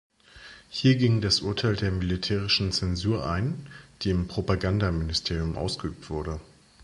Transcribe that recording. Hier ging das Urteil der militärischen Zensur ein, die im Propagandaministerium ausgeübt wurde.